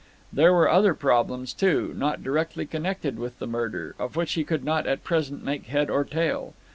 There were other problems, too, not directly connected with the murder, of which he could not at present make head or tail.